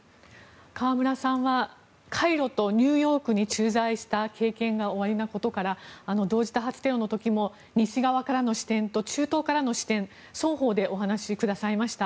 川村さんはカイロとニューヨークに駐在した経験がおありなことから同時多発テロの時も西側からの視点と中東からの視点双方でお話しくださいました。